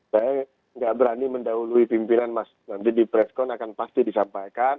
saya nggak berani mendahului pimpinan mas nanti di preskon akan pasti disampaikan